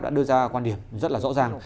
đã đưa ra quan điểm rất là rõ ràng